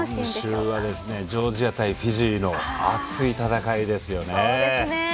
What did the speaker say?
今週はジョージア対フィジーの熱い戦いですよね。